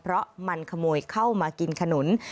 เพราะมันขโมยเข้ามากินขนุน